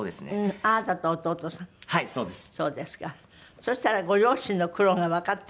そうしたらご両親の苦労がわかった？